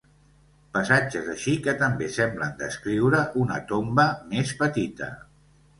Passatges així que també semblen descriure una tomba més petita.